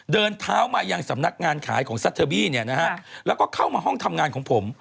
เดินเท้ามายังสำนักงานขายของซัดเทอร์บี้เนี่ยนะฮะแล้วก็เข้ามาห้องทำงานของผม